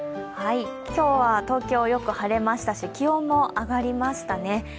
今日は東京、よく晴れましたし気温も上がりましたね。